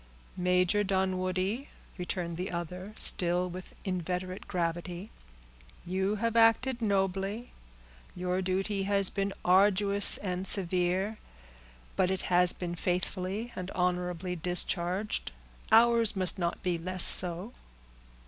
"Major Dunwoodie," returned the other, still with inveterate gravity, "you have acted nobly; your duty has been arduous and severe, but it has been faithfully and honorably discharged; ours must not be less so."